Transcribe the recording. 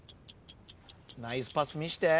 ナイスパス見して。